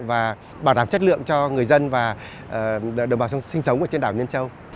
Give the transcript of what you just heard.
và bảo đảm chất lượng cho người dân và đồng bào sinh sống trên đảo nhân trong